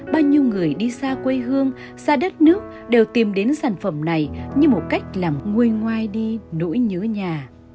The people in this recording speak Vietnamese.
bao nhiêu người đi xa quê hương xa đất nước đều tìm đến sản phẩm này như một cách làm nguôi ngoai đi nỗi nhớ nhà